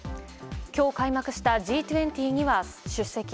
今日開幕したＧ２０には出席。